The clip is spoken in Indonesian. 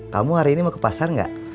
kamu hari ini mau ke pasar nggak